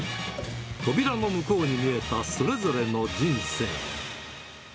扉の向こうに見えたそれぞれの人生。